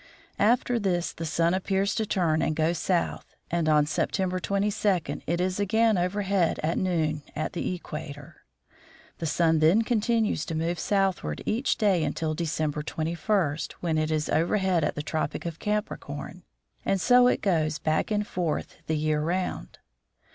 After this the sun appears to turn and go south, and on September 22 it is again overhead at noon at the equator. The sun then continues to move southward each day until December 21, when it is Daily Motion of the Heavens as seen at the North Pole. overhead at the tropic of Capricorn. And so it goes back and forth the year round.